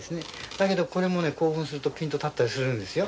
だけどこれも興奮するとピンと立ったりするんですよ。